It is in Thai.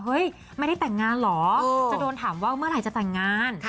ไม่ได้แต่งงานเหรอจะโดนถามว่าเมื่อไหร่จะแต่งงาน